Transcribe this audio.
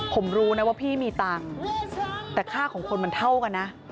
ผมรู้นะว่าพี่มีตังค์แต่ค่าของคนมันเท่ากันนะ